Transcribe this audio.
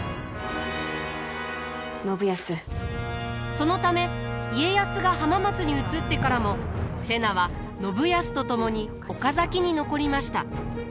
そのため家康が浜松に移ってからも瀬名は信康と共に岡崎に残りました。